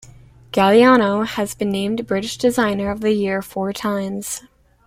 Galliano has been named British Designer of the Year four times.